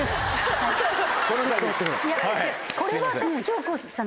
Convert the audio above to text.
これは私。